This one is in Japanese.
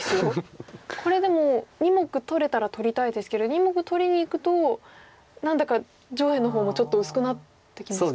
これでも２目取れたら取りたいですけど２目取りにいくと何だか上辺の方もちょっと薄くなってきますか。